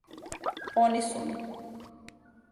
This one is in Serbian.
Они су ми.